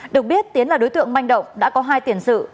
được biết tiến là đối tượng manh động đã có hai tiền sự